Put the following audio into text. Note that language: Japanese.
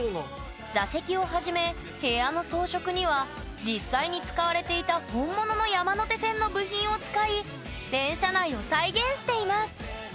座席をはじめ部屋の装飾には実際に使われていた本物の山手線の部品を使い電車内を再現しています！